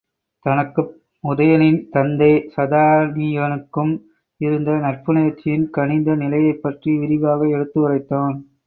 தனக்குப் உதயணனின் தந்தை சதானிகனுக்கும் இருந்த நட்புணர்ச்சியின் கனிந்த நிலையைப் பற்றி விரிவாக எடுத்து உரைத்தான்.